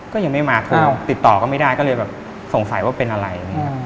ก็ยังไม่มาโทรติดต่อก็ไม่ได้ก็เลยสงสัยว่าเป็นอะไร